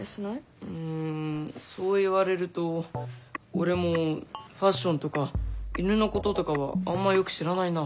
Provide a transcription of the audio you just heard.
うんそう言われると俺もファッションとか犬のこととかはあんまよく知らないな。